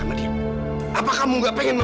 amira kalau kamu sayang sama ibu